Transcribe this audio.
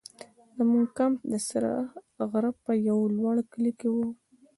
زموږ کمپ د سره غره په یو لوړ کلي کې وو.